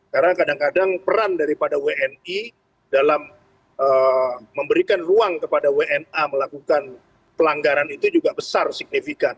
karena kadang kadang peran daripada wni dalam memberikan ruang kepada wna melakukan pelanggaran itu juga besar signifikan